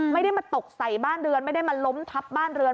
ไม่ได้มาตกใส่บ้านเรือนไม่ได้มาล้มทับบ้านเรือน